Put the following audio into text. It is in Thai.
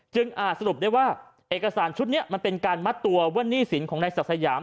อาจสรุปได้ว่าเอกสารชุดนี้มันเป็นการมัดตัวว่าหนี้สินของนายศักดิ์สยาม